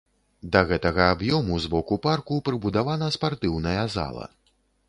Да гэтага аб'ёму з боку парку прыбудавана спартыўная зала.